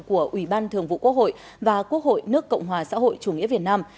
của ủy ban thường vụ quốc hội và quốc hội nước cộng hòa xã hội chủ nghĩa việt nam